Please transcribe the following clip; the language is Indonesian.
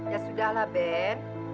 ya sudah lah ben